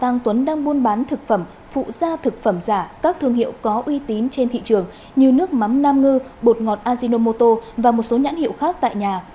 đối tượng đậu văn tuấn đang buôn bán thực phẩm phụ gia thực phẩm giả các thương hiệu có uy tín trên thị trường như nước mắm nam ngư bột ngọt ajinomoto và một số nhãn hiệu khác tại nhà